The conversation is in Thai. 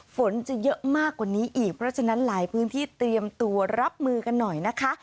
ฝนจะเยอะมากกว่านี้อีกเพราะฉะนั้นหลายพื้นที่เตรียมตัวรับมือกันหน่อยนะคะ